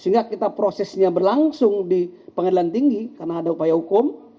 sehingga kita prosesnya berlangsung di pengadilan tinggi karena ada upaya hukum